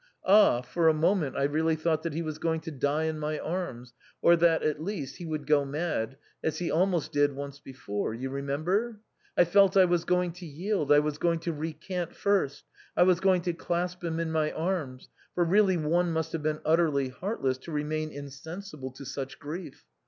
Ah ! for a moment I really thought that he was going to die in my arms, or that, at least, he would go mad, as he almost did once before, you remem ber? I felt I was going to yield, I was going to recant first, I was going to clasp him in my arms, for really one must have been utterly heartless to remain insensible to such grief.